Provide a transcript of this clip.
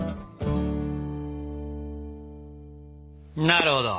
なるほど。